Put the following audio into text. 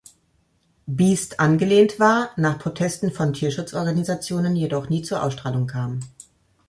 Beast angelehnt war, nach Protesten von Tierschutzorganisationen jedoch nie zur Ausstrahlung kam.